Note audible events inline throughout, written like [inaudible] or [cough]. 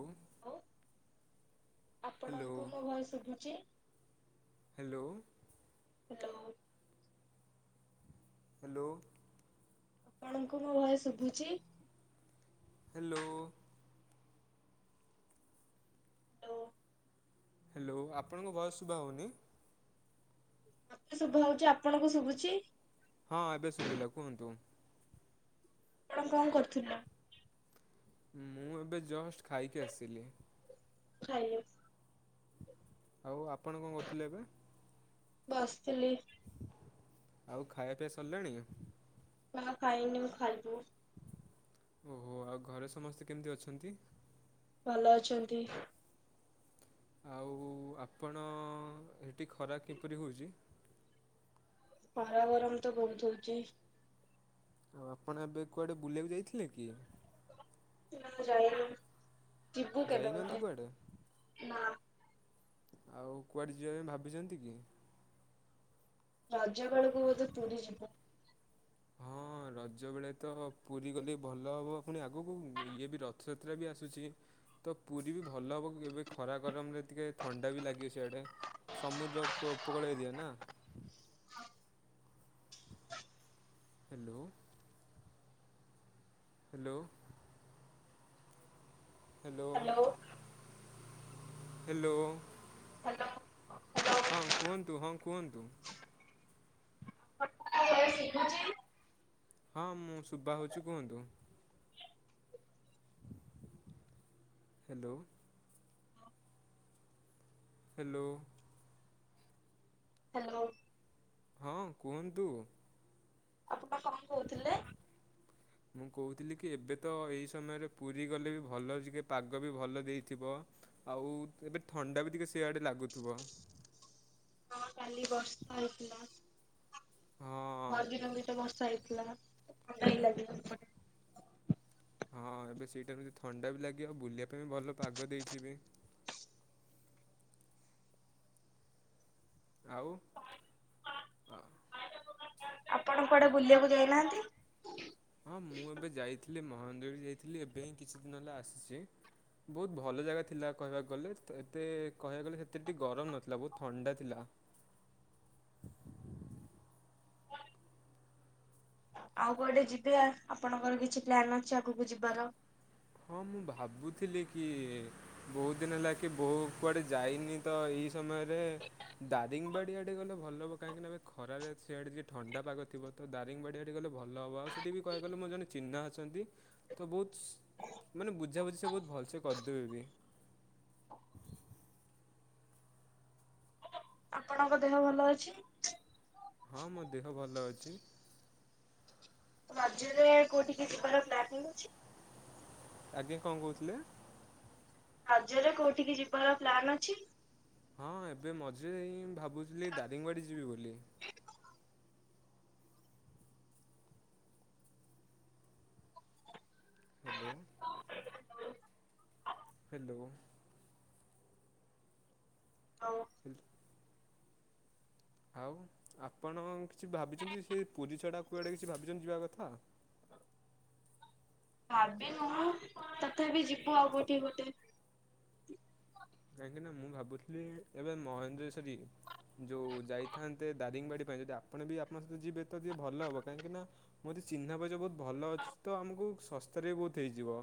ହଁ ହ୍ୟାଲୋ ଆପଣଙ୍କୁ ମୁଁ ଭଏସ ଶୁଭୁଛି? ହ୍ୟାଲୋ। ହ [inaudible] ହ୍ୟାଲୋ। ଆପଣଙ୍କୁ ମୋ ଭୟ ଶୁଭୁଛି? ହ୍ୟାଲୋ। ତ ହ୍ୟାଲୋ ଆପଣଙ୍କ ଭଏସ ଶୁଭା ହଉନି। ମତେ ଶୁଭ ହଉଛି ଆପଣଙ୍କୁ ଶୁଭୁଛି? ହଁ ଏବେ ଶୁଭିଲ କୁହନ୍ତୁ। ଆପଣ କଣ କରୁଥିଲେ? ମୁଁ ଏବେ ଜଷ୍ଟ ଖାଇକି ଆସିଲି। ଖା ଆଉ ଆପଣ କଣ କରୁଥିଲେ ଏବେ? ବସିଥିଲି। ଆଉ ଖାଇବା ପିଆ ସରିଲାଣି? ନା ଖାଇନି ମୁ ଖାଇବୁ। ଓହୋ ଆଉ ଘରେ ସମସ୍ତେ କେମିତି ଅଛନ୍ତି। ଭଲ ଅଛନ୍ତି। ଆଉ ଆପଣ ଏଠି ଖରା କିପରି ହେଉଛି। ପାରା ଗରମ ତ ବହୁତ ହଉଛି। ଆଉ ଆପଣ ଏବେ କୁଆଡେ ବୁଲିବାକୁ ଯାଇଥିଲେ କି। ନା ଯାଇନି। ଯିବୁ ଯାଇନାହାନ୍ତି କେଦେଟେ କୁଆଡ଼େ ନା। ଆଉ କୁଆଡେ ଯିବା ପାଇଁ ଭାବିଚନ୍ତି କି? ରଜ ଵେଳୁକୁ ବୋଧେ ପୁରୀ ଯିବୁ। ହଁ ରଜ ବେଳେ ତ ହ-ପୁରୀ ଗଲେ ଭଲ ହବ, ପୁଣି ଆଗକୁ ଇଏ ବି ରଥଯାତ୍ରା ବି ଆସୁଛି ତ ପୁରୀ ବି ଭଲ ହବ, ଏବେ ଖରା ଗରମରେ ଟିକେ ଥଣ୍ଡା ବି ଲାଗେ ସିଆଡେ ସମୁଦ୍ର ଉପକୂଳ ଏରିଆ ନା। Hello. Hello. Hello. Hello, hello hello ହଁ କୁହନ୍ତୁ, ହଁ କୁହନ୍ତୁ। ଆପଣଙ୍କ ଭଏସ ଶୁଭୁଛି ହଁ ମୁଁ ଶୁବା ହଉଚି କୁହନ୍ତୁ। ହ୍ୟାଲୋ। ହ୍ୟାଲୋ। ହ୍ୟାଲୋ। ହଁ କୁହନ୍ତୁ। ଆପଣ କଣ କହୁଥିଲେ? ମୁଁ କହୁଥିଲି କି ଏବେ ତ ଏଇ ସମୟରେ ପୁରୀ ଗଲେ ବି ଭଲ ଟିକେ ପାଗ ବି ଭଲ ଦେଇଥିବ ଆଉ ଏବେ ଥଣ୍ଡା ବି ଟିକେ ସେଆଡେ ଲାଗୁଥୁବ। ହଁ କାଲି ବର୍ଷା ହେଇଥିଲା। ହଁ ମଝିରେ ବି ତ ବର୍ଷା ହେଇ ଥିଲା [inaudible] ହଁ ଏବେ ସେଇଟା ବି ଥଣ୍ଡା ବି ଲାଗିବ, ବୁଲିବା ପାଇଁ ବି ଭଲ ପାଗ ଦେଇଛି ବି। ଆଉ ଆ, ଆପଣ କୁଆଡେ ବୁଲିବାକୁ ଯାଇନାହାଁନ୍ତି? ଖାଲି ମହନ୍ଦିର ଯାଇଥିଲି ଏବେ ହିଁ କିଛି ଦିନ ହେଲା ଆସିଛି, ବହୁତ ଭଲ ଜାଗା ଥିଲା କହିବାକୁ ଗଲେ, ତ ଏତେ କହିବାକୁ ଗଲେ ସେତେ ଟିକେ ଗରମ ନଥିଲା ବହୁତ ଥଣ୍ଡା ଥିଲା। ଆଉ କୁଆଡେ ଯିବେ ଆ, ଆପଣଙ୍କର କିଛି ପ୍ଲାନ୍ ଅଛି ଆଗକୁ ଯିବାର? ହଁ ମୁଁ ଭାବୁଥିଲି କି ବହୁତ ଦିନ ହେଲା କି ବୋଉ କୁଆଡ଼େ ଯାଇନି ତ ଏଇ ସମୟରେ ଦାରିଙ୍ଗବାଡ଼ି ଆଡ଼େ ଗଲେ ଭଲ ହବ କାହିଁକିନା ଏବେ ଖରାରେ ସିଆଡ଼େ ଟିକେ ଥଣ୍ଡା ପାଗ ଥିବ ତ ଦାରିଙ୍ଗବାଡ଼ି ଆଡ଼େ ଗଲେ ଭଲ ହବ, ଆଉ ସେଠି ବି କହିବାକୁ ଗଲେ ମୋର ଜଣେ ଚିହ୍ନା ଅଛନ୍ତି ତ ବହୁତ ମାନେ ବୁଝାବୁଝି ସେ ବହୁତ ଭଲସେ କରିଦେବେ ବି। ଆପଣଙ୍କ ଦେହ ଭଲ ଅଛି? ହଁ ମୋ ଦେହ ଭଲ ଅଛି। ମଝିରେ କୋଉଠି କି ଯିବାର ପ୍ଲାନିଙ୍ଗ ଅଛି? ଆଜ୍ଞା କଣ କହୁଥିଲେ? ରଜରେ କୋଉଠିକି ଯିବାର ପ୍ଲାନ୍ ଅଛି? ହଁ ଏବେ ମଝିରେ ହିଁ ଭାବୁଥିଲି ଦାରିଙ୍ଗବାଡ଼ି ଯିବି ବୋଲି। ହ୍ୟାଲୋ। ହ୍ୟାଲୋ। ଆଉ ହ୍ୟାଲୋ। ଆଉ ଆପଣ କିଛି ଭାବିଚନ୍ତି ସେ ପୁରୀ ଛଡା କୁଆଡେ କିଛି ଭାବିଚନ୍ତି ଯିବା କଥା? ଭାବିିନୁ ତଥାପି ଯିବୁ ଆଉ କୋଉଠିକି ଗୋଟେ। କାହିଁକି ନା ମୁଁ ଭାବୁଥୁଲି ଏବେ ମହେନ୍ଦ୍ର ସରି ଯୋଉ ଯାଇଥାନ୍ତେ ଦାରିଙ୍ଗବାଡି ପାଇଁ ଯଦି ଆପଣ ବି ଆପଣଙ୍କ ସହିତ ଯିବେ ତ ଟିକେ ଭଲ ହବ କାହିଁକି ନା ମୋର ଚିହ୍ନା ପରିଚିତ ବହୁତ ଭଲ ଅଛି ତ ଆମକୁ ଶସ୍ତାରେ ବହୁତ ହେଇଯିବ।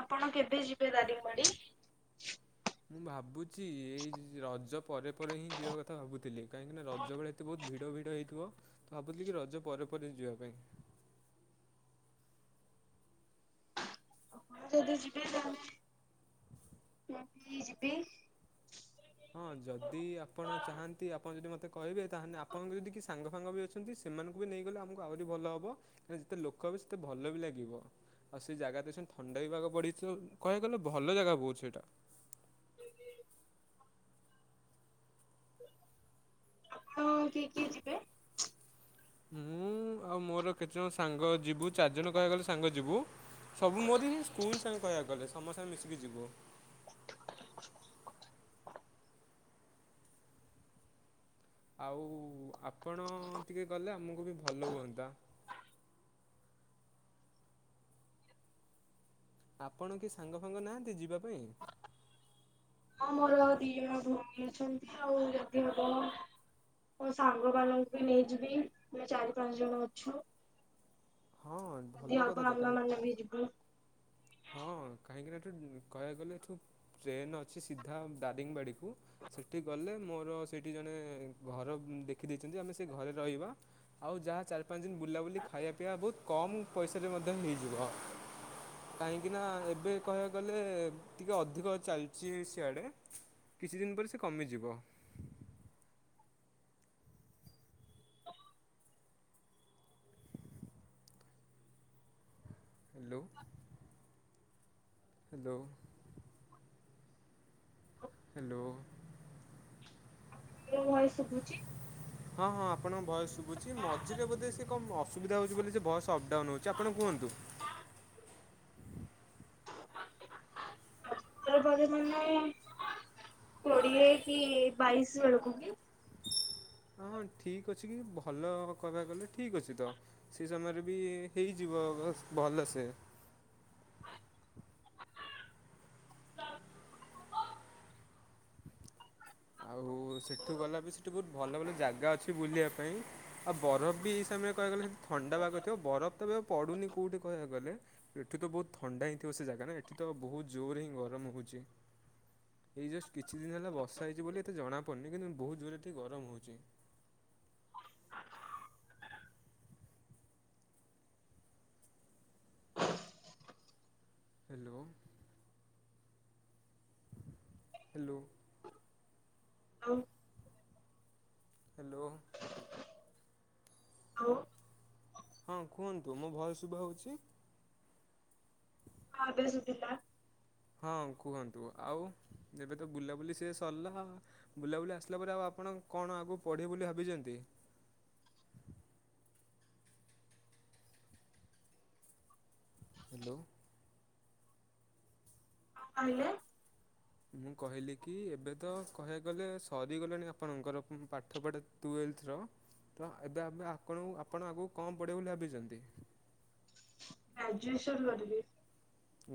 ଆପଣ କେବେ ଯିବେ ଦାରିଙ୍ଗବାଡ଼ି? ମୁଁ ଭାବୁଚି, ଏଇ ରଜ ପରେ ପରେ ହିଁ ଯିବା କଥା ଭାବୁଥିଲି, କାହିଁକିନା ରଜ ବେଳେ ଏତେ ବହୁତ ଭିଡ ଭିଡ ହେଇଥିବ ତ ଭାବୁଥିଲି କି ରଜ ପରେ ପରେ ଯିବା ପାଇଁ। ମୁଁ ଯଦି ଯିବ ତାହାନେ ହ ଯିବି ହଁ ଯଦି ଆପଣ ଚାହାନ୍ତି ଆପଣ ଯଦି ମତେ କହିବେ ତାହେଲେ ଆପଣଙ୍କ ଯଦି କି ସାଙ୍ଗ ଫାଙ୍ଗ ବି ଅଛନ୍ତି ସେମାନଙ୍କୁ ବି ନେଇଗଲେ ଆମକୁ ଆହୁରି ଭଲ ହବ କାରଣ ଯେତେ ଲୋକ ହେବେ ସେତେ ଭଲ ବି ଲାଗିବ ଆଉ ସେ ଜାଗା ତ ସେ ଥଣ୍ଡା ହେଇବାକୁ ପଡିିଛି କହିବାକୁ ଗଲେ ଭଲ ଜାଗା ବହୁଛି ସେଇଟା। ହଁ କିଏ କିଏ ଯିବେ। ମୁଁ ଆଉ ମୋର କେତେ ଜଣ ସାଙ୍ଗ ଯିବୁ ଚାରି ଜଣ କହିବାକୁ ଗଲେ ସାଙ୍ଗ ଯିବୁ। ସବୁ ମୋରି ସ୍କୁଲ ତାଙ୍କୁ କହିବାକୁ ଗଲେ ସମସ୍ତେ ଆମେ ମିଶିକି ଯିବୁ। ଆଉ ଆପଣ ଟିକେ ଗଲେ ଆମକୁ ବି ଭଲ ହୁଅନ୍ତା। ଆପଣ କି ସାଙ୍ଗ ଫାଙ୍ଗ ନାହାନ୍ତି ଯିବା ପାଇଁ? ହଁ ମୋର ଦିଜଣ ଭଉଣୀ ଅଛନ୍ତି, ଆଉ ଯଦି ହବ ମୋ ସାଙ୍ଗ ମାନଙ୍କୁ ବି ନେଇଯିବି ଆମେ ଚାରି ପାଞ୍ଚ ଜଣ ଅଛୁ। ହଁ ଭଲ ଯଦି କଥା ହବ ତ କାହିଁକି ଆମେ ମାନେ ବି ଜିବୁ। ହଁ କାହିଁକି ନା କହିବାକୁ ଗଲେ ଏଠୁ ଟ୍ରେନ୍ ଅଛି ସିଧା ଦାରିଙ୍ଗବାଡ଼ିକୁ, ସେଠି ଗଲେ ମୋର ସେଇଠି ଜଣେ ଘର ଦେଖିଦେଇଛନ୍ତି ଆମେ ସେ ଘରେ ରହିବା ଆଉ ଯାହା ଚାରି ପାଞ୍ଚ ଦିନ ବୁଲାବୁଲି ଖାଇବା ପିଇବା ବହୁତ କମ୍ ପଇସାରେ ମଧ୍ୟ ହେଇଯିବ। କାହିଁକି ନା ଏବେ କହିବାକୁ ଗଲେ ଟିକେ ଅଧିକ। ଅଧିକ ଚାଲିଛି ସିଆଡ଼େ କିଛି ଦିନ ପରେ ସେ କମିଯିବ। ହ୍ୟାଲୋ ହ୍ୟାଲୋ ହ୍ୟାଲୋ ମୋ ଭଏସ ଶୁଭୁଛି? ହଁ ହଁ ଆପଣଙ୍କ ଭଏସ ଶୁଭୁଛି ମଝିରେ ବୋଧେ ସେ କଣ ଅସୁବିଧା ହଉଛି ବୋଲି ସେ ଭଏସ ଅପଡାଉନ ହଉଛି ଆପଣ କୁହନ୍ତୁ। ଟା ବେଳେ ମାନେ କୋଡିଏ କି ବାଇଶି ବେଳକୁ କି? ହଁ ହଁ ଠିକ୍ ଅଛି କି ଭଲ କହିବାକୁ ଗଲେ ଠିକ୍ ଅଛି ତ ସେ ସମୟରେ ବି ହେଇଯିବ ଭଲସେ ଆଉ ସେଠୁ ଗଲା ବି ସେଠି ବହୁତ ଭଲ ଭଲ ଜାଗା ଅଛି ବୁଲିବା ପାଇଁ, ଆଉ ବରଫ ବି ଏଇ ସମୟରେ କହିବାକୁ ଗଲେ ସେଠି ଥଣ୍ଡା ଭାଗ ଥିବ ବରଫ ତ ବି ଆଉ ପଡୁନି କୋଉଠି କହିବାକୁ ଗଲେ ଏଠୁ ତ ବହୁତ ଥଣ୍ଡା ହିଁ ଥିବ ସେ ଜାଗା ନା ଏଠି ତ ବହୁତ ଜୋର ହିଁ ଗରମ ହଉଛି। ଏଇ ଜଷ୍ଟ କିଛି ଦିନ ହେଲା ବର୍ଷା। ବର୍ଷା ହେଇଛି ବୋଲି ଏତେ ଜଣା ପଡୁନି କିନ୍ତୁ ବହୁତ ଜୋରେ ଏଠି ଗରମ ହଉଛି। ହ୍ୟାଲୋ ହ୍ୟାଲୋ ହଁ। ହ୍ୟାଲୋ ଆଉ ହଁ ହଁ କୁହନ୍ତୁ ମୋ ଭଏସ ଶୁଭା ହଉଛି? ହଁ ଏବେ ଶୁଭିଲା। ହଁ କୁହନ୍ତୁ ଆଉ ଏବେ ତ ବୁଲାବୁଲି ସିଏ ସରିଲା, ବୁଲାବୁଲି ଆସିଲା ପରେ ଆଉ ଆପଣ କଣ ଆଗକୁ ପଢ଼ିବେ ବୋଲି ଭାବିଛନ୍ତି? ହ୍ୟାଲୋ କଣ କହିଲେ? ମୁଁ କହିଲି କି ଏବେ ତ କହିବାକୁ ଗଲେ ସରିଗଲାଣି ଆପଣଙ୍କର ପାଠ ପଢା ଟୁଏଲଥ ର ତ ଏବେ ଆପଣ ଆପଣ ଆଗକୁ କଣ ପଢିବ ବୋଲି ଭାବିଛନ୍ତି? ଗ୍ରାଜୁଏସନ୍ କରିବି।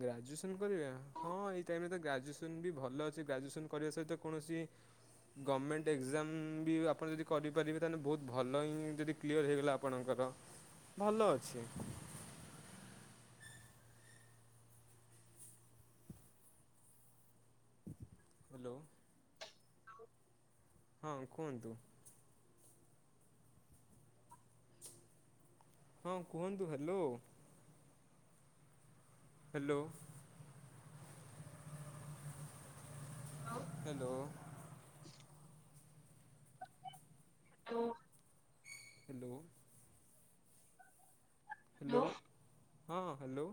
ଗ୍ରାଜୁଏସନ୍ କରିବା, ହଁ ଏଇ ଟାଇମରେ ତ ଗ୍ରାଜୁଏସନ୍ ବି ଭଲ ଅଛି ଗ୍ରାଜୁଏସନ୍ କରିବା ସହିତ କୌଣସି ଗର୍ମେଣ୍ଟ ଏକ୍ଜାମ ବି ଆପଣ ଯଦି କରିପାରିବେ ତାହେଲେ ବହୁତ ଭଲ ହିଁ ଯଦି କ୍ଲିୟର ହେଇଗଲା ଆପଣଙ୍କର ଭଲ ଅଛି। ହ୍ୟାଲୋ। ହ୍ୟାଲୋ ହଁ କୁହନ୍ତୁ? ହଁ କୁହନ୍ତୁ ହ୍ୟାଲୋ। ହ୍ୟାଲୋ। ହ୍ୟାଲୋ ଆଉ। ହ୍ୟାଲୋ। ହ୍ୟାଲୋ। ହଁ ହ୍ୟାଲୋ।